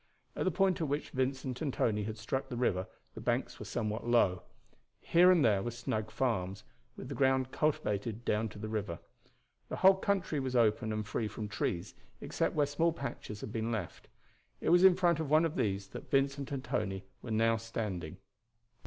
At the point at which Vincent and Tony had struck the river the banks were somewhat low. Here and there were snug farms, with the ground cultivated down to the river. The whole country was open and free from trees, except where small patches had been left. It was in front of one of these that Vincent and Tony were now standing.